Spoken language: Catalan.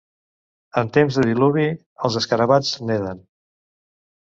En temps de diluvi, els escarabats neden.